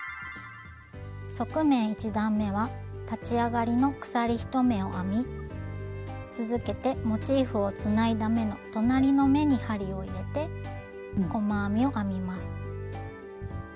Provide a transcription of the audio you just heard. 側面１段めは立ち上がりの鎖１目を編み続けてモチーフをつないだ目の隣の目に針を入れて細編みを編みます。